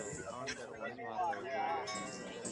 ذهنی فشار د مقاومت سرچینه کېدای شي.